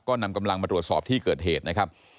ก็นำกำลังมาตรวจสอบที่เกิดเหตุนะครับ